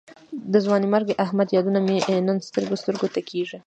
د ځوانمرګ احمد یادونه مې نن سترګو سترګو ته کېږي.